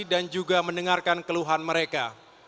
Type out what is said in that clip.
dan juga mendengarkan keluhan mereka